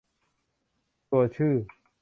ตัวชื่อ